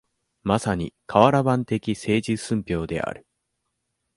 まさに、かわら版的政治寸評である。